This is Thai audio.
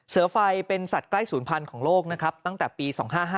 เสือไฟเป็นสัตว์ใกล้ศูนย์พันธุ์ของโลกนะครับตั้งแต่ปี๒๕๕